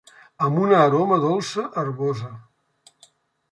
Amb una aroma dolça herbosa.